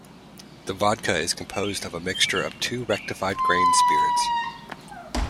The vodka is composed of a mixture of two rectified grain spirits.